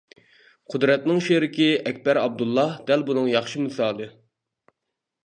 قۇدرەتنىڭ شېرىكى ئەكبەر ئابدۇللا دەل بۇنىڭ ياخشى مىسالى.